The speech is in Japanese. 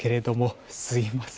すみません。